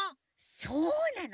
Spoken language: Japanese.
そうなの。